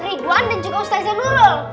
ridwan dan juga ustadznya dulu